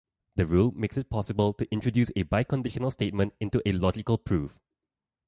The rule makes it possible to introduce a biconditional statement into a logical proof.